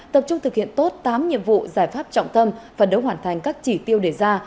tập trung thực hiện tốt tám nhiệm vụ giải pháp trọng tâm phần đấu hoàn thành các chỉ tiêu đề ra